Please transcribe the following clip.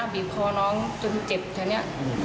บีบคอน้องจนเจ็บแถวนี้